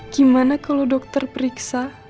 gimana kalo dokter periksa